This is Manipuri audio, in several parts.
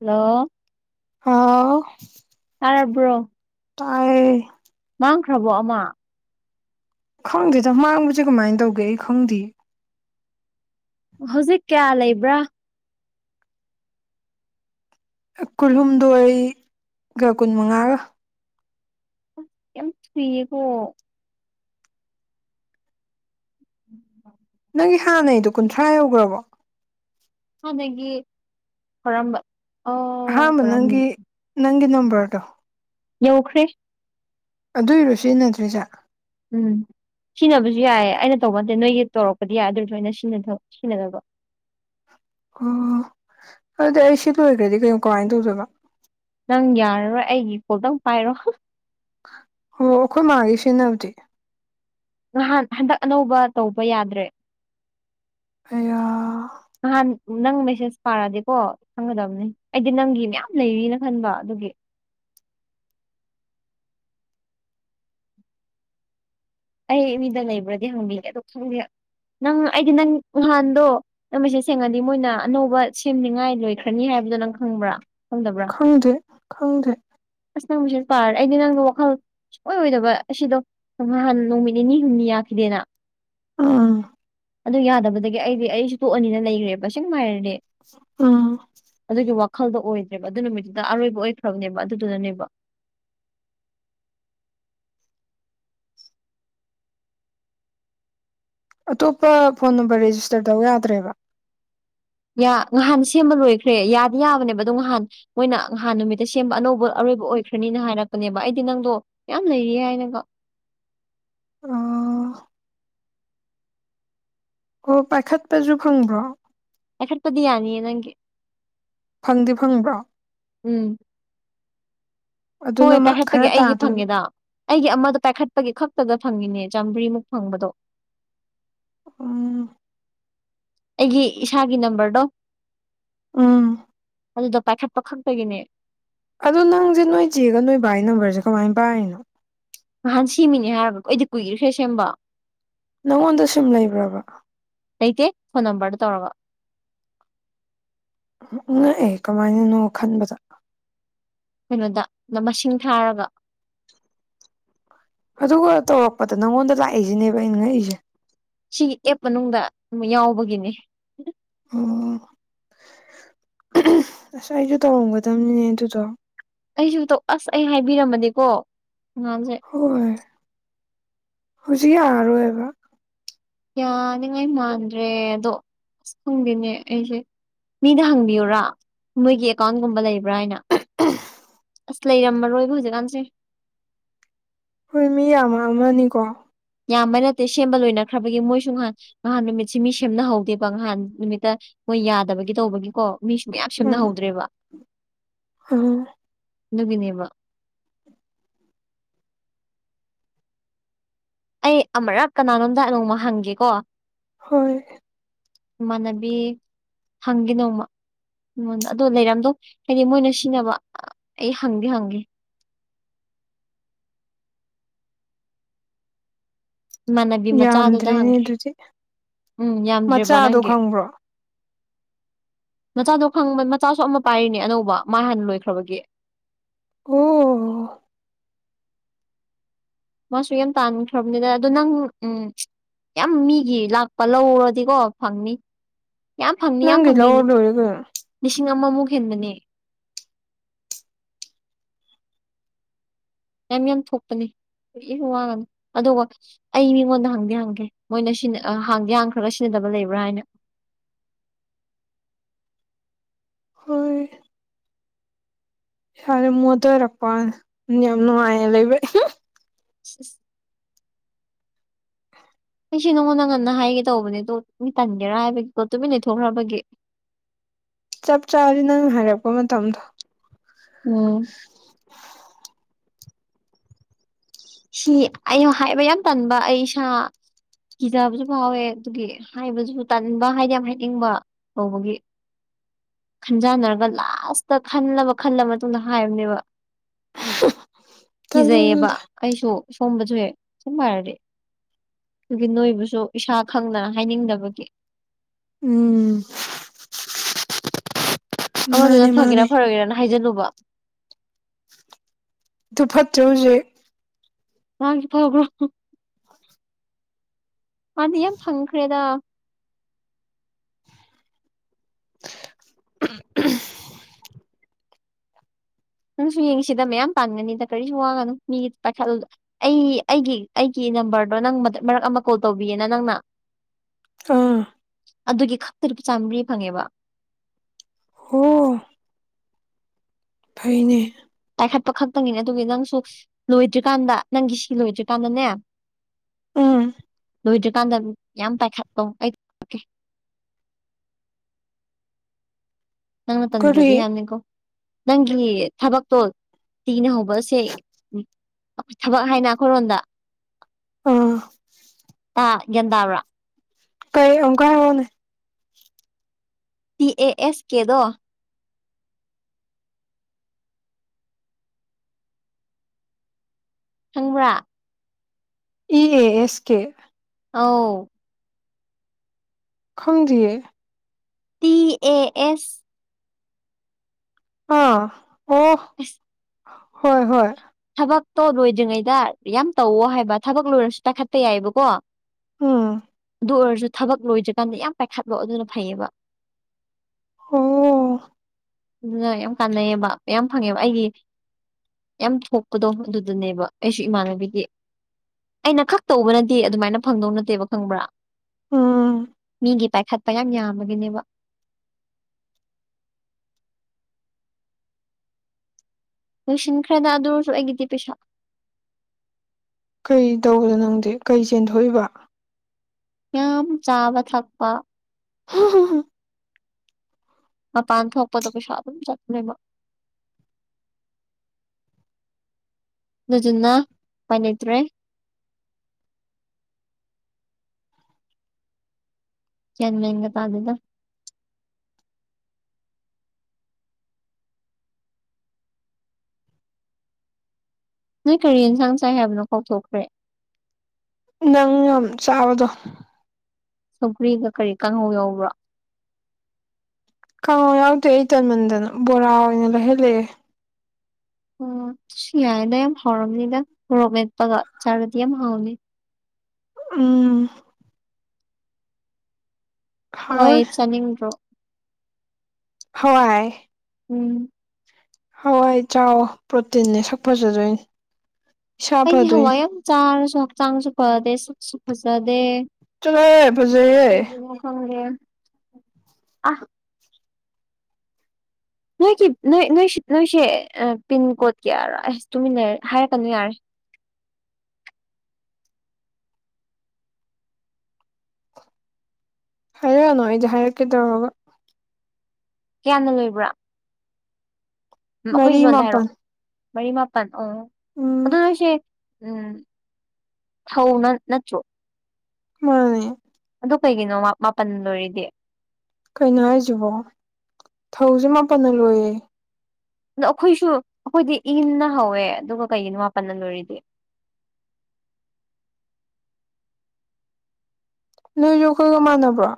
ꯍꯜꯂꯣ ꯍꯥꯎ ꯇꯥꯔꯕ꯭ꯔꯣ ꯇꯥꯏꯌꯦ ꯃꯥꯡꯈ꯭ꯔꯕꯣ ꯑꯃ ꯈꯪꯗꯦꯗ ꯃꯥꯡꯕꯁꯦ ꯀꯃꯥꯏꯅ ꯇꯧꯒꯦ ꯑꯩ ꯈꯪꯗꯦ ꯍꯧꯖꯤꯛ ꯀꯌꯥ ꯂꯩꯕ꯭ꯔꯥ ꯀꯨꯟꯍꯨꯝꯗꯣꯏꯒ ꯀꯨꯟꯃꯉꯥꯒ ꯌꯥꯝ ꯐꯌꯦꯀꯣ ꯎꯝ ꯅꯪꯒꯤ ꯍꯥꯟꯅꯩꯗꯣ ꯀꯨꯟꯊ꯭ꯔꯥ ꯌꯧꯈ꯭ꯔꯕꯣ ꯍꯥꯟꯅꯒꯤ ꯈꯔꯝꯕ ꯑꯍꯥꯟꯕ ꯅꯪꯒꯤ ꯅꯪꯒꯤ ꯅꯝꯕꯔꯗꯣ ꯌꯧꯈ꯭ꯔꯦ ꯑꯗꯨꯏꯔꯣ ꯁꯤꯖꯤꯟꯅꯗ꯭ꯔꯤꯁꯦ ꯎꯝ ꯁꯤꯖꯤꯟꯅꯕꯁꯨ ꯌꯥꯏꯌꯦ ꯑꯩꯅ ꯇꯧꯕ ꯅꯠꯇꯦ ꯅꯣꯏꯒꯤ ꯇꯧꯔꯛꯄꯗꯤ ꯌꯥꯏ ꯑꯗꯨꯔꯁꯨ ꯑꯩꯅ ꯁꯤ ꯁꯤꯟꯅꯗꯕ ꯑꯣ ꯑꯗꯨꯗꯤ ꯑꯩ ꯁꯤ ꯂꯣꯏ ꯑꯣꯏꯔꯒ꯭ꯔꯗꯤ ꯀꯩꯣ ꯀꯃꯥꯏꯅ ꯇꯧꯗꯣꯏꯅ ꯅꯪ ꯌꯥꯔꯔꯣꯏ ꯑꯩꯒꯤ ꯄꯣꯇꯪ ꯄꯥꯏꯔꯣ ꯑꯣ ꯑꯩꯈꯣꯏ ꯃꯥꯒꯤ ꯁꯤꯖꯤꯟꯅꯕꯗꯤ ꯅꯍꯥꯟ ꯍꯟꯗꯛ ꯑꯅꯧꯕ ꯇꯧꯕ ꯌꯥꯗ꯭ꯔꯦ ꯑ ꯅꯍꯥꯟ ꯅꯪ ꯃꯦꯁꯦꯁ ꯄꯥꯔꯛꯑꯗꯤꯀꯣ ꯈꯪꯒꯗꯕꯅꯤ ꯑꯩꯗꯤ ꯅꯪꯒꯤ ꯃꯌꯥꯝ ꯂꯩꯔꯤꯅ ꯈꯟꯕ ꯑꯗꯨꯒꯤ ꯑꯩ ꯃꯤꯗ ꯂꯩꯕ꯭ꯔꯗꯤ ꯍꯪꯕꯤꯒꯦ ꯑꯗꯣ ꯈꯪꯕꯤꯔ ꯅꯪ ꯑꯩꯗꯤ ꯅꯪ ꯅꯍꯥꯟꯗꯣ ꯅꯪꯃꯤꯁꯦ ꯁꯦꯡꯉꯗꯤ ꯃꯣꯏꯅ ꯑꯅꯧꯕ ꯁꯦꯝꯅꯤꯉꯥꯏ ꯂꯣꯏꯈ꯭ꯔꯅꯤ ꯍꯥꯏꯕꯗꯨꯣ ꯅꯪ ꯈꯪꯕ꯭ꯔꯥ ꯈꯪꯗꯕ꯭ꯔꯥ ꯈꯪꯗꯦ ꯈꯪꯗꯦ ꯑꯁ ꯅꯪꯕꯨꯁꯨ ꯇꯥꯔꯦ ꯑꯩꯗꯤ ꯅꯪꯅ ꯋꯥꯈꯜ ꯑꯣꯏ ꯑꯣꯏꯗꯕ ꯑꯁꯤꯗꯣ ꯅꯍꯥꯟ ꯅꯨꯃꯤꯠ ꯅꯤꯅꯤ ꯍꯨꯝꯅꯤ ꯌꯥꯈꯤꯗꯦꯅ ꯑꯥ ꯑꯗꯨ ꯌꯥꯗꯕꯗꯒꯤ ꯑꯩꯗꯤ ꯑꯩꯁꯨ ꯇꯣꯛꯑꯅꯤꯅ ꯂꯩꯈ꯭ꯔꯦꯕ ꯁꯦꯡꯅ ꯍꯥꯏꯔꯗꯤ ꯎꯝ ꯑꯗꯨꯒꯤ ꯋꯥꯈꯜꯗꯣ ꯑꯣꯏꯗ꯭ꯔꯦꯕ ꯑꯗꯨ ꯅꯨꯃꯤꯠꯇꯨꯗ ꯑꯔꯣꯏꯕ ꯑꯣꯏꯈ꯭ꯔꯕꯅꯦꯕ ꯑꯗꯨꯗꯨꯅꯅꯦꯕ ꯑꯇꯣꯞꯄ ꯐꯣꯟ ꯅꯝꯕꯔ ꯔꯦꯖꯤꯁꯇꯔ ꯇꯧ ꯌꯥꯗ꯭ꯔꯦꯕ ꯌꯥ ꯉꯍꯥꯟ ꯁꯦꯝꯕ ꯂꯣꯏꯈ꯭ꯔꯦ ꯌꯥꯗꯤ ꯌꯥꯕꯅꯦꯕ ꯑꯗꯣ ꯉꯍꯥꯟ ꯃꯣꯏꯅ ꯅꯍꯥꯟ ꯅꯨꯃꯤꯠꯇ ꯁꯦꯝꯕ ꯑꯅꯧꯕ ꯑꯔꯣꯏꯕ ꯑꯣꯏꯈ꯭ꯔꯅꯤꯅ ꯍꯥꯏꯔꯛꯄꯅꯦꯕ ꯑꯩꯗꯤ ꯅꯪꯗꯣ ꯌꯥꯝ ꯂꯩꯌꯦ ꯍꯥꯏꯅꯀꯣ ꯑꯣ ꯑꯣ ꯄꯥꯏꯈꯠꯄꯁꯨ ꯐꯪꯕ꯭ꯔꯣ ꯄꯥꯏꯈꯠꯄꯗꯤ ꯌꯥꯅꯤꯌꯦ ꯅꯪꯒꯤ ꯐꯪꯗꯤ ꯐꯪꯕ꯭ꯔꯣ ꯎꯝ ꯍꯣꯏ ꯑꯗꯨꯅ ꯈꯔ ꯄꯥꯏꯈꯠꯄꯒꯦ ꯑꯩꯒꯤ ꯇꯥꯗꯣꯏꯕ ꯐꯪꯉꯦꯗ ꯑꯩꯒꯤ ꯑꯃꯗ ꯄꯥꯏꯈꯠꯄꯒꯤ ꯈꯛꯇꯗ ꯐꯪꯉꯤꯅꯦ ꯆꯥꯝꯃꯔꯤꯃꯨꯛ ꯐꯪꯕꯗꯣ ꯎꯝ ꯑꯩꯒꯤ ꯏꯁꯥꯒꯤ ꯅꯝꯕꯔꯗꯣ ꯎꯝ ꯑꯗꯨꯗ ꯄꯥꯏꯈꯠꯄꯥ ꯈꯛꯇꯒꯤꯅꯦ ꯑꯗꯣ ꯅꯪꯁꯦ ꯅꯣꯏ ꯆꯦꯒ ꯅꯣꯏ ꯕꯥꯒꯤ ꯅꯝꯕꯔꯁꯦ ꯀꯃꯥꯏꯅ ꯄꯥꯏꯔꯤꯅꯣ ꯅꯍꯥꯟ ꯁꯦꯝꯃꯤꯅꯦ ꯍꯥꯏꯒ ꯑꯩꯏꯗꯤ ꯀꯨꯏꯔꯦꯍꯦ ꯁꯦꯝꯕ ꯅꯪꯉꯣꯟꯗ ꯁꯤꯝ ꯂꯩꯕ꯭ꯔꯕ ꯂꯩꯇꯦ ꯐꯣꯟ ꯅꯝꯕꯔꯗꯨꯣ ꯇꯧꯔꯒ ꯉꯛꯑꯦ ꯀꯃꯥꯏꯅꯅꯣ ꯈꯟꯕꯗ ꯀꯩꯅꯣꯗ ꯃꯁꯤꯡ ꯊꯥꯔꯒ ꯑꯗꯨꯒ ꯇꯧꯔꯛꯄꯗ ꯅꯪꯉꯣꯟꯗ ꯂꯥꯛꯏꯁꯤꯅꯦꯕ ꯑꯩꯅꯪ ꯉꯛꯏꯁꯦ ꯁꯤꯒꯤ ꯑꯦꯞ ꯃꯅꯨꯡꯗ ꯑꯃ ꯌꯥꯎꯕꯒꯤꯅꯦ ꯑꯣ ꯑꯁ ꯑꯩꯁꯨ ꯇꯧꯔꯝꯒꯗꯕꯅꯤꯅꯦ ꯑꯗꯨꯗꯣ ꯑꯩꯁꯨ ꯑꯁ ꯑꯩ ꯍꯥꯏꯕꯤꯔꯝꯃꯗꯤꯀꯣ ꯑꯉꯥꯟꯁꯦ ꯍꯣꯏ ꯍꯧꯖꯤꯛ ꯌꯥꯔꯔꯣꯏꯕ ꯌꯥꯅꯤꯡꯉꯥꯏ ꯃꯥꯟꯗ꯭ꯔꯦ ꯑꯗꯣ ꯑꯁ ꯈꯪꯗꯅꯦ ꯑꯩꯁꯦ ꯃꯤꯗ ꯍꯪꯕꯤꯌꯨꯔꯥ ꯃꯣꯏꯒꯤ ꯑꯦꯀꯥꯎꯟꯒꯨꯝꯕ ꯂꯩꯕ꯭ꯔꯥ ꯍꯥꯏꯅ ꯑꯁ ꯂꯩꯔꯝꯃꯔꯣꯏꯕ ꯍꯧꯖꯤꯛꯀꯥꯟꯁꯦ ꯍꯣꯏ ꯃꯤ ꯌꯥꯃ ꯑꯃꯅꯤꯀꯣ ꯌꯥꯝꯕꯩ ꯅꯠꯇꯦ ꯁꯦꯝꯕ ꯂꯣꯏꯅꯈ꯭ꯔꯕꯒꯤ ꯃꯣꯏꯁꯨ ꯉꯍꯥꯟ ꯉꯍꯥꯟ ꯅꯨꯃꯤꯠꯁꯤ ꯃꯤ ꯁꯦꯝꯅꯍꯧꯗꯦꯕ ꯉꯍꯥꯟ ꯅꯨꯃꯤꯠꯇ ꯃꯣꯏ ꯌꯥꯗꯕꯒꯤ ꯇꯧꯕꯒꯤꯀꯣ ꯃꯤꯁꯨ ꯃꯌꯥꯝ ꯎꯝ ꯁꯦꯝꯅꯍꯧꯗ꯭ꯔꯦꯕ ꯎꯝ ꯑꯗꯨꯒꯤꯅꯦꯕ ꯑꯩ ꯑꯃꯨꯔꯛ ꯀꯅꯥꯅꯣꯝꯗ ꯅꯣꯡꯃ ꯍꯪꯒꯦꯀꯣ ꯍꯣꯏ ꯏꯃꯥꯟꯅꯕꯤ ꯍꯪꯒꯦ ꯅꯣꯡꯃ ꯑꯩꯉꯣꯟꯗ ꯑꯗꯣ ꯂꯩꯔꯝꯗꯧ ꯍꯥꯏꯗꯤꯃꯣꯏꯅ ꯁꯤꯖꯤꯟꯅꯕ ꯑꯩ ꯍꯪꯗꯤ ꯍꯪꯒꯦ ꯏꯃꯥꯟꯅꯕꯤ ꯃꯆꯥꯗꯨꯗ ꯌꯥꯝꯗ꯭ꯔꯦꯅꯦ ꯍꯪꯒꯦ ꯑꯗꯨꯗꯤ ꯎꯝ ꯌꯥꯝꯗ꯭ꯔꯦꯕ ꯃꯆꯥꯗꯣ ꯅꯪꯒꯤ ꯈꯪꯕ꯭ꯔꯣ ꯃꯆꯥꯗꯣ ꯈꯪꯕ ꯃꯆꯥꯁꯨ ꯑꯃ ꯄꯥꯏꯔꯤꯅꯦ ꯑꯅꯧꯕ ꯃꯥ ꯍꯥꯟꯅ ꯂꯣꯏꯈ꯭ꯔꯕꯒꯤ ꯑꯣ ꯃꯥꯁꯨ ꯌꯥꯝ ꯇꯥꯟꯈ꯭ꯔꯕꯅꯤꯅꯦ ꯑꯗꯣ ꯅꯪ ꯎꯝ ꯌꯥꯝ ꯃꯤꯒꯤ ꯂꯥꯛꯄ ꯂꯧꯔꯗꯤꯀꯣ ꯐꯪꯅꯤ ꯌꯥꯝ ꯐꯪꯅꯤ ꯌꯥꯝ ꯅꯪꯒꯤ ꯐꯪꯅꯤ ꯂꯧꯔ ꯂꯣꯏꯔꯦ ꯀꯩꯅꯣ ꯂꯤꯁꯤꯡ ꯑꯃꯃꯨꯛ ꯍꯦꯟꯕꯅꯦ ꯌꯥꯝ ꯌꯥꯝ ꯊꯣꯛꯄꯅꯦ ꯀꯔꯤꯁꯨ ꯋꯥꯒꯅꯣ ꯑꯗꯨꯒ ꯑꯩ ꯃꯤꯉꯣꯟꯗ ꯍꯪꯗꯤ ꯍꯪꯒꯦ ꯃꯣꯏꯅ ꯁꯤ ꯑꯥ ꯍꯥꯡꯗꯤ ꯍꯥꯡꯈ꯭ꯔꯒ ꯁꯤꯟꯅꯗꯕ ꯂꯩꯕ꯭ꯔꯥ ꯍꯥꯏꯅ ꯍꯣꯏ ꯏꯁꯥꯁꯦ ꯃꯣꯗꯔꯛꯄꯋꯥꯅꯦ ꯌꯥꯝ ꯅꯨꯡꯉꯥꯏꯅ ꯂꯩꯕꯩ ꯍꯝ ꯏꯁ ꯏꯁ [unintelligible] [unintelligible] ꯑꯩꯁꯤ ꯅꯪꯉꯣꯟꯗ ꯉꯟꯅ ꯍꯥꯏꯒꯦ ꯇꯧꯕꯅꯦꯗꯣ ꯅꯪ ꯇꯟꯒꯦꯔꯥ ꯍꯥꯏꯕꯒꯤꯀꯣ ꯇꯨꯃꯤꯟ ꯂꯩꯊꯣꯛꯈ꯭ꯔꯕꯒꯤ꯫ ꯆꯞ ꯆꯥꯔꯦ ꯅꯪꯅ ꯍꯥꯏꯔꯛꯄ ꯃꯇꯝꯗꯣ꯫ ꯎꯝ꯫ ꯁꯤ ꯑꯩꯅ ꯍꯥꯏꯕ ꯌꯥꯝ ꯇꯟꯕ ꯑꯩ ꯏꯁꯥ꯫ ꯀꯤꯖꯕꯁꯨ ꯐꯥꯎꯑꯦ ꯑꯗꯨꯒꯤ ꯍꯥꯏꯕꯁꯨ ꯇꯟꯕ ꯍꯥꯏꯗꯤ ꯌꯥꯝ ꯍꯥꯏꯅꯤꯡꯕ꯫ ꯀꯧꯕꯒꯤ ꯫ ꯈꯟꯖꯥꯟꯅꯔꯒ ꯂꯥꯁꯇ ꯈꯜꯂꯕ- ꯈꯜꯂꯕ ꯃꯇꯨꯡꯗ ꯍꯥꯏꯕꯅꯦꯕꯥ꯫ ꯀꯤꯖꯩꯑꯥꯕ ꯇꯜꯂꯦꯗ ꯑꯩꯁꯨ ꯁꯤꯒꯨꯝꯕꯁꯨ ꯍꯦꯛ ꯁꯨꯝ ꯍꯥꯏꯔꯗꯤ꯫ ꯑꯗꯨꯒꯤ ꯅꯣꯏꯕꯨꯁꯨ ꯏꯁꯥ ꯈꯪꯅ ꯍꯥꯏꯅꯤꯡꯗꯕꯒꯤ꯫ ꯎꯝ [unintelligible] ꯑꯃꯗꯨꯅ ꯃꯥꯅꯦ ꯐꯒꯦꯔꯥ ꯃꯥꯅꯦ ꯐꯔꯣꯏꯒꯦꯔꯅ ꯍꯥꯏꯖꯂꯨꯕ꯫ ꯑꯗꯨ ꯐꯠꯇ꯭ꯔꯦ ꯍꯧꯖꯤꯛ꯫ ꯃꯥꯒꯤ ꯐꯪꯕ꯭ꯔꯣ? ꯃꯥꯗꯤ ꯌꯥꯝ ꯐꯪꯈ꯭ꯔꯦꯗ꯫ [inaudible] ꯅꯪꯁꯨ ꯌꯦꯡꯉꯤꯁꯤꯗ ꯃꯌꯥꯝ ꯄꯥꯟꯒꯅꯤꯗ ꯀꯔꯤꯁꯨ ꯋꯥꯒꯅꯣ ꯃꯤꯒꯤꯗ ꯄꯥꯈꯠꯂꯨꯅꯣ ꯑꯩ- ꯑꯩꯒꯤ -ꯑꯩꯒꯤ ꯅꯝꯕꯔꯗꯣ ꯅꯪ ꯃꯇꯠ- ꯃꯔꯛ ꯑꯃ ꯀꯣꯜ ꯇꯧꯕꯤꯌꯦꯅ ꯅꯪꯅ꯫ ꯑꯥ ꯑꯗꯨꯒꯤ ꯈꯛꯇꯗ ꯆꯥꯃꯔꯤ ꯐꯪꯉꯦꯕ꯫ ꯍꯣ꯫ ꯐꯩꯅꯦ꯫ ꯄꯥꯏꯈꯠꯄ ꯈꯛꯇꯪꯒꯤꯅꯦ ꯑꯗꯨꯒꯤ ꯅꯪꯁꯨ ꯂꯣꯏꯗ꯭ꯔꯤꯀꯥꯟꯗ ꯅꯪꯒꯤ ꯁꯤ ꯂꯣꯏꯗ꯭ꯔꯤ ꯀꯥꯟꯗꯅꯦ꯫ ꯎꯝ ꯂꯣꯏꯗ꯭ꯔꯤꯀꯥꯟꯗ ꯑꯗꯨꯝ [unintelligible] ꯌꯥꯝ ꯄꯥꯏꯈꯠꯂꯣ ꯑꯩ [unintelligible] ꯅꯪ ꯀꯔꯤ ꯇꯟꯗ꯭ꯔꯗꯤ ꯍꯥꯏꯕꯅꯤꯀꯣ ꯅꯪꯒꯤ ꯊꯕꯛꯇꯣ꯫ ꯇꯤꯅ ꯍꯧꯕꯑꯁꯦ ꯊꯕꯛ ꯍꯥꯏꯅ ꯑꯩꯈꯣꯏꯔꯣꯟꯗ꯫ ꯑꯥ꯫ ꯇꯥ- ꯒꯌꯥꯟ ꯇꯥꯕ꯭ꯔ? ꯀꯩ ꯑꯃꯨꯛꯀ꯫ ꯍꯥꯏꯔꯛꯑꯣꯅꯦ ꯇꯤꯑꯦꯑꯦꯁꯀꯦꯗꯣ꯫ ꯈꯪꯕ꯭ꯔꯥ? ꯏꯑꯦꯑꯦꯁꯀꯦ꯫ ꯑꯧ꯫ ꯈꯪꯗꯤꯌꯦ꯫ ꯇꯤꯑꯦꯑꯦꯁ꯫ ꯑꯥ ꯑꯣ ꯑꯁ ꯍꯣꯏ- ꯍꯣꯏ꯫ ꯊꯕꯛꯇꯣ ꯂꯣꯏꯗ꯭ꯔꯤꯉꯩꯗ ꯌꯥꯝ ꯇꯧꯑꯣ ꯍꯥꯏꯕ ꯊꯕꯛ ꯂꯣꯏꯔꯁꯨ ꯄꯥꯏꯈꯠꯄ ꯌꯥꯏꯑꯕꯀꯣ꯫ ꯎꯝ꯫ ꯑꯗꯨ ꯑꯣꯏꯔꯁꯨ ꯊꯕꯛ ꯂꯣꯏꯗ꯭ꯔꯤꯀꯥꯟꯗ ꯌꯥꯝ ꯄꯥꯏꯈꯠꯂꯣ ꯑꯗꯨꯅ ꯐꯩꯌꯦꯕ꯫ ꯑꯣ ꯑꯗꯨꯅ ꯌꯥꯝ ꯀꯥꯟꯅꯩꯑꯕ ꯌꯥꯝ ꯐꯪꯉꯦꯕ ꯑꯩꯒꯤ ꯌꯥꯝ ꯊꯣꯛ ꯀꯗꯣꯗꯨꯗꯅꯦꯕ ꯑꯩꯁꯨ ꯏꯃꯥꯟꯅꯕꯤꯒꯤ ꯑꯩꯅ ꯈꯛꯇ ꯇꯧꯕꯅꯗꯤ ꯑꯗꯨꯃꯥꯏꯅ ꯐꯪꯗꯧ ꯅꯠꯇꯦꯕ ꯈꯪꯕ꯭ꯔꯥ ꯎꯝ ꯑꯩꯒꯤ ꯄꯥꯏꯈꯠꯄ ꯌꯥꯝ ꯌꯥꯝꯃꯒꯅꯦꯕ ꯂꯣꯏꯁꯤꯟꯈ꯭ꯔꯦꯗ ꯑꯗꯨ ꯑꯣꯏꯔꯁꯨ ꯑꯩꯒꯤꯗꯤ ꯄꯩꯁꯥ ꯀꯩ ꯇꯧꯕꯗꯣ ꯅꯪꯗꯦ ꯀꯩ ꯆꯦꯟꯊꯣꯛꯏꯕ ꯌꯥꯝ ꯆꯥꯕ ꯊꯛꯄ ꯍ ꯍ ꯍ ꯃꯥ ꯄꯥꯟ ꯊꯣꯛꯄꯗꯣ ꯄꯩ ꯁ ꯑꯗꯨꯝ ꯆꯠ ꯑꯗꯨꯗꯨꯅ ꯃꯅꯤꯗ꯭ꯔꯦ ꯒꯌꯥꯟ ꯃꯦꯟꯒ ꯇꯥꯗꯦꯗ ꯅꯣꯏ ꯀꯔꯤ ꯌꯦꯟꯁꯥꯡ ꯆꯥꯏ ꯍꯥꯏꯕꯅꯣ ꯀꯥꯎꯊꯣꯛꯈ꯭ꯔꯦ ꯅꯪ ꯌꯥꯝ ꯆꯥꯕꯗꯣ ꯁꯧꯀ꯭ꯔꯤꯒ ꯀꯔꯤ ꯀꯥꯡꯍꯧ ꯌꯥꯎꯕ꯭ꯔꯥ ꯀꯥꯡꯉꯣ ꯌꯥꯎꯗꯦ ꯑꯩ ꯇꯟꯃꯟꯗꯅ ꯕꯣꯔꯥ ꯑꯣꯏꯅ ꯂꯩꯍꯜꯂꯚꯑꯦ ꯑꯣ ꯑꯗꯨꯁꯨ ꯌꯥꯥꯏꯅ ꯌꯥꯝ ꯍꯥꯎꯔꯝꯅꯤꯗ ꯃꯣꯔꯣꯛ ꯃꯦꯠꯄꯒ ꯆꯥꯔꯗꯤ ꯌꯥꯝ ꯍꯥꯎꯅꯤ ꯎꯝ ꯍꯥꯎꯋꯦ ꯍꯥꯋꯥꯏꯗꯤ ꯆꯥꯅꯤꯡꯗꯔꯣ ꯍꯋꯥꯏ ꯎꯝ ꯍꯋꯥꯏ ꯆꯥꯎ ꯄ꯭ꯔꯣꯇꯤꯟꯅꯦ ꯁꯛ ꯐꯖꯗꯣꯏꯅꯤ ꯏꯁꯥ ꯑꯩꯩꯅ ꯐꯗꯣꯏꯅꯤ ꯍꯋꯥꯏ ꯌꯥꯝ ꯆꯥꯔꯁꯨ ꯍꯛꯆꯥꯡꯁꯨ ꯐꯗꯦ ꯁꯛꯁꯨ ꯐꯖꯗꯦ ꯆꯠꯂꯣꯍꯦ ꯐꯖꯩꯍꯦ ꯈꯪꯗꯦ ꯑꯥ ꯅꯣꯏꯒꯤ ꯅꯣꯏ ꯅꯣꯏ ꯅꯣꯏꯁꯦ ꯄꯤꯟ ꯀꯣꯗꯀꯤꯔ ꯑꯩꯁ ꯇꯨꯃꯤꯟꯅꯔꯦ ꯍꯥꯏꯔꯛꯀꯅꯨ ꯌꯥꯔꯦ ꯍꯥꯏꯔꯛꯑꯅꯣ ꯑꯩꯁꯦ ꯍꯥꯏꯔꯛꯀꯦ ꯇꯧꯔꯒ ꯀꯌꯥꯅ ꯂꯣꯏꯕ꯭ꯔꯥ ꯎꯝ ꯑꯩꯈꯣꯏ ꯃꯔꯤ ꯂꯣꯟꯗ ꯃꯥꯄꯜ ꯍꯥꯏꯔꯛꯑꯣ ꯃꯔꯤ ꯃꯥꯄꯜ ꯑꯣ ꯑꯗꯨ ꯎꯝ ꯅꯣꯏꯁꯦ ꯎꯝ ꯊꯧ ꯅ ꯅꯠꯇ꯭ꯔꯣ ꯃꯥꯅꯦ ꯑꯗꯨ ꯀꯩꯒꯤꯅꯣ ꯃꯥꯄꯟ ꯂꯣꯏꯔꯤꯗꯤ ꯀꯩꯅꯣ ꯍꯥꯏꯁꯤꯕꯣ ꯊꯧꯁꯦ ꯃꯥꯄꯟꯅ ꯂꯣꯏꯌꯦ ꯑꯗꯣ ꯑꯩꯈꯣꯏꯁꯨ ꯑꯩꯈꯣꯏꯗꯤ ꯏꯟꯅ ꯍꯧꯋꯦ ꯑꯗꯨꯒ ꯀꯩꯒꯤꯅꯣ ꯃꯥꯄꯜꯟꯅ ꯂꯣꯏꯔꯤꯗꯤ ꯅꯣꯏꯁꯨ ꯈꯣꯢꯒ ꯃꯥꯟꯅꯕ꯭ꯔꯣ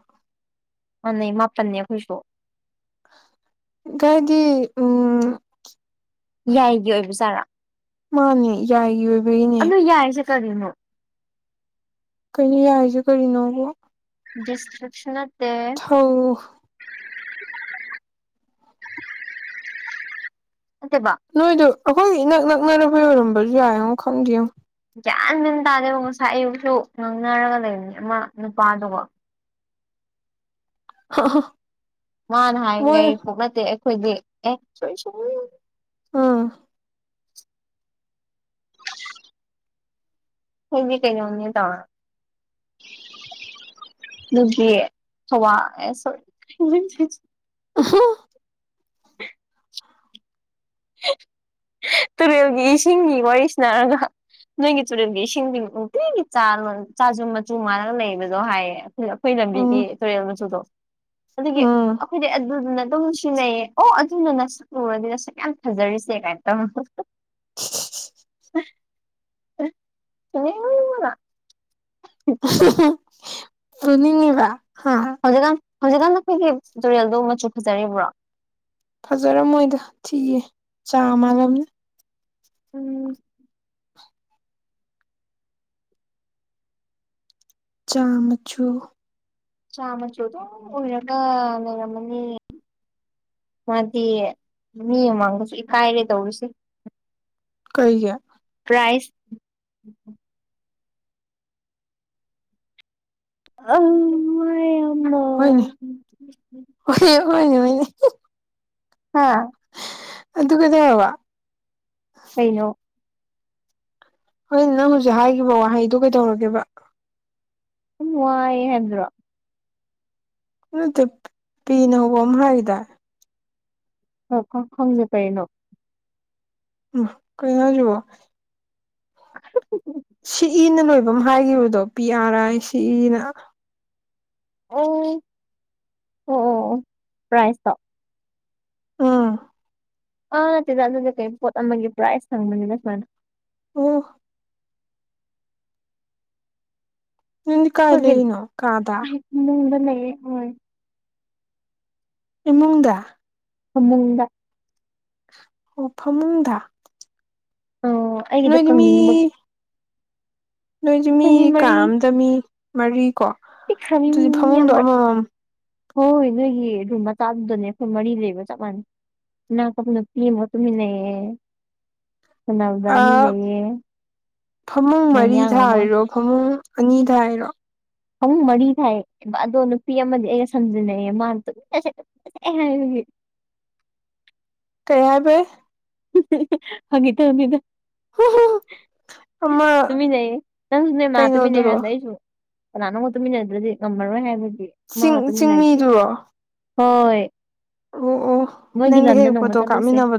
ꯑꯩ ꯃꯥꯄꯟꯅꯦ ꯑꯩꯈꯣꯏꯁꯨ ꯀꯥꯏꯗꯤ ꯎꯝ ꯌꯥꯏꯒꯤ ꯑꯣꯏꯕꯖꯥꯔꯥ ꯃꯥꯅꯦ ꯌꯥꯏ ꯑꯣꯏꯕꯩ ꯑꯗꯨ ꯌꯥꯏꯁꯦ ꯀꯔꯤꯅꯣ ꯀꯩꯅꯣ ꯌꯥꯔꯤꯁꯦ ꯀꯔꯤꯅꯣꯕ ꯗꯤꯁꯇ꯭ꯔꯤꯛꯁꯨ ꯅꯠꯇꯦ ꯍꯧ ꯅꯠꯇꯦꯕꯥ ꯅꯣꯏꯗ ꯑꯩꯈꯣꯏꯒꯤ ꯏꯅꯛ ꯅꯛꯅꯈꯣꯏ ꯑꯣꯏꯔꯝꯕꯁꯨ ꯌꯥꯏꯡꯨꯣ ꯈꯪꯗꯦꯉꯣ ꯒ꯭ꯌꯥꯟ ꯃꯟ ꯇꯥꯗꯦꯕ ꯉꯁꯥꯏ ꯑꯌꯨꯛꯁꯨ ꯉꯥꯡꯅꯔꯒ ꯂꯩꯕꯅꯦ ꯑꯃ ꯅꯨꯄꯥꯗꯨꯕꯣ [unintelligible] ꯃꯥꯅ ꯃꯣꯏ ꯍꯥꯏꯕꯅꯦ ꯅꯠꯇꯦ ꯑꯩꯈꯣꯏꯗꯤ ꯑꯦ ꯑꯥ [unintelligible] ꯑꯈꯣꯏꯗꯤ ꯀꯩꯅꯣꯅꯤ ꯑꯗꯣ ꯅꯣꯢꯒꯤ ꯊꯥꯋꯥ ꯁꯣꯔꯤ ꯑꯍꯣ [inaudible] ꯇꯨꯔꯦꯜꯒꯤ ꯏꯁꯤꯡꯒꯤ ꯋꯥꯔꯤꯁꯤꯅꯔꯒ ꯅꯣꯏꯒꯤ ꯆꯨꯔꯦꯜꯒꯤ ꯏꯁꯤꯡꯗꯤ ꯅꯨꯡ ꯀꯤꯒꯤ ꯆ ꯆꯥꯖꯨꯝ ꯃꯆꯨ ꯃꯥꯜꯂꯒ ꯂꯩꯕꯗꯣ ꯍꯥꯏꯌꯦ ꯑꯩꯈꯣꯏ ꯂꯝꯕꯤꯒꯤ ꯎꯝ ꯇꯨꯔꯦꯜ ꯃꯆꯨꯗꯣ ꯑꯗꯨꯒꯤ ꯎꯝ ꯑꯩꯈꯣꯏꯗꯤ ꯑꯗꯨꯗꯨꯅ ꯑꯗꯨꯝ ꯁꯤꯖꯤꯟꯅꯩꯌꯦ ꯑꯣ ꯑꯗꯨꯅ ꯅꯁꯛꯂꯨꯔꯗꯤ ꯅꯁꯛ ꯌꯥꯝ ꯐꯖꯔꯤꯁꯦ ꯀꯥꯏꯅ ꯇꯧꯔꯛꯄ [unintelligible] [unintelligible] ꯄꯨꯅꯤꯡꯉꯤꯕ ꯍꯥ ꯍꯧꯖꯤꯛꯀꯥꯟ ꯍꯧꯖꯤꯛꯀꯥꯟ ꯅꯈꯣꯏꯒꯤ ꯇꯨꯔꯦꯜꯗꯨ ꯃꯆꯨ ꯐꯖꯔꯤꯕ꯭ꯔꯣ ꯐꯖꯔꯝꯃꯣꯏꯗ ꯊꯤꯒꯦ ꯆꯥ ꯃꯥꯜꯂꯝꯅꯤ ꯎꯝ ꯆꯥ ꯃꯁꯨꯨ ꯆꯥ ꯃꯆꯨ ꯑꯗꯨꯝ ꯑꯣꯏꯔꯒ ꯂꯩꯔꯝꯃꯅꯤ ꯃꯥꯗꯤ ꯃꯤ ꯑꯃꯥꯡꯗꯁꯨ ꯏꯀꯥꯏꯔꯦ ꯇꯧꯔꯤꯁꯦ ꯀꯩꯒꯤ ꯄ꯭ꯔꯥꯏꯁ ꯑ ꯋꯥꯏ ꯌꯥꯝꯅ ꯍꯣꯏꯅꯦ ꯍ‌ꯣꯏ ꯍꯣꯏꯅꯦ ꯍꯣꯏꯅꯦ ꯍꯥꯥ ꯑꯗꯨ ꯀꯩꯗꯧꯔꯕ ꯀꯩꯅꯣ ꯍꯣꯏ ꯅꯪ ꯍꯧꯖꯤꯛ ꯍꯥꯏꯈꯤꯕ ꯋꯥꯍꯩꯗ‌ꯣ ꯀꯩꯗꯧꯔꯒꯦꯕ ꯑꯗꯨꯨꯝ ꯋꯥꯏꯌꯦ ꯍꯥꯏꯕꯗꯨꯔꯣ ꯅꯠꯇꯦ ꯄꯤꯅ ꯍꯧꯕ ꯑꯃ ꯍꯥꯏꯈꯤꯗꯥꯏ [unintelligible] ꯈꯪꯗ‌ꯦ ꯀꯩꯅ‌ꯣ ꯎ ꯀꯩꯅ‌ꯣ ꯍꯥꯏꯁꯤꯕꯨ [unintelligible] ꯁꯤ ꯏꯅ ꯂꯣꯏꯕ ꯑꯃ ꯍꯥꯏꯈꯤꯕꯗꯣ ꯄꯤ ꯑꯔꯥꯏ ꯑꯥꯏ ꯁꯤ ꯏꯅ ꯍꯥꯏꯅ ꯑꯣ ꯑꯣ ꯑꯣ ꯄꯔꯥꯏꯁ ꯇ‌ꯣ ꯑꯥ ꯑꯥ ꯅꯠꯇ‌ꯦꯗ ꯑꯗꯨꯗꯤ ꯀꯩ ꯄꯣꯠ ꯑꯃꯒꯤ ꯄ꯭ꯔꯥꯁ ꯍꯪꯕꯅꯤꯗ ꯁꯨꯃꯥꯏꯅ ꯑꯣ ꯅꯪꯗꯤ ꯀꯥꯏ ꯂꯩꯩꯔꯤꯅꯣ ꯀꯥꯗꯥ ꯏꯃꯨꯡꯗ ꯂꯩꯌ‌ꯦ ꯍ‌ꯣꯏ ꯏꯃꯨꯡꯗ ꯐꯃꯨꯡꯗ ꯑꯣ ꯐꯃꯨꯡꯗ ꯑꯣ ꯑꯩꯒꯤꯗ‌ꯣ ꯅꯣꯏꯗꯤ ꯃꯤ ꯀꯪꯅꯤꯡꯕ ꯅꯣꯏꯗꯤ ꯃꯤ ꯑꯩꯈꯣꯏ ꯀꯥ ꯃꯔꯤ ꯑꯃꯗ ꯃꯤ ꯃꯔꯤꯀꯣ ꯄꯤꯛꯈ꯭ꯔꯕꯤ ꯑꯗꯨꯗꯤ ꯃꯤ ꯐꯃꯨꯡꯗꯣ ꯑꯃ ꯑꯃꯃꯝ ꯍꯣꯏ ꯅꯣꯏꯒꯤ ꯔꯨꯝ ꯃꯆꯥꯗꯨꯗꯅꯦ ꯑꯩꯈꯣꯏ ꯃꯔꯤ ꯂꯩꯕꯒ ꯆꯞ ꯃꯥꯟꯅꯩ ꯅꯥꯔꯥꯁ ꯅꯨꯄꯤ ꯑꯃꯒ ꯇꯨꯃꯤꯟꯅꯩꯌ‌ꯦ ꯊꯪꯅꯕꯗ ꯑꯅꯤ ꯑꯥ ꯂꯩꯌꯦ ꯐꯃꯨꯡ ꯃꯔꯤ ꯃꯌꯥꯡ ꯑꯃ ꯊꯥꯔꯤꯔꯣ ꯐꯃꯨꯡ ꯑꯅꯤ ꯊꯥꯏꯔꯣ ꯐꯃꯨꯡ ꯃꯔꯤ ꯊꯥꯏ ꯑꯗꯣ ꯅꯨꯄꯤ ꯑꯃꯗꯤ ꯑꯩꯒ ꯁꯝꯖꯤꯟꯅꯩꯑꯦ ꯃꯥꯅ ꯑꯦ ꯍꯥꯏꯕꯒꯤ ꯀꯩ ꯍꯥꯏꯕꯩ ꯐꯥꯒꯤ ꯇꯧꯅꯤꯗ ꯑꯃ ꯇꯨꯝꯃꯤꯟꯅꯩꯌ‌ꯦ ꯅꯪꯁꯨ ꯅ‌ꯣꯏ ꯃꯥꯒ ꯇꯨꯝꯃꯤꯟꯅꯩ ꯀꯩꯅꯣꯗꯨꯔꯣ ꯍꯥꯏꯗꯨꯗ ꯑꯩꯁꯨ ꯀꯅꯥꯅ‌ꯣꯝꯒ ꯇꯨꯝꯃꯤꯟꯅꯗ꯭ꯔꯗꯤ ꯉꯝꯃꯔꯣꯏ ꯍꯥꯏꯕꯗꯤ ꯆꯤꯡ ꯆꯤꯡꯃꯤꯗꯨꯔꯣ ꯍꯣꯏ ꯑꯣ ꯑꯣ ꯃꯣꯏꯒꯤ ꯅꯪꯒ ꯂꯝꯗ ꯍꯦꯛ ꯅꯣꯡꯃ ꯐꯣꯇꯣ ꯆꯠꯂꯨꯁꯦ ꯀꯥꯞꯃꯤꯟꯅꯕꯗꯣ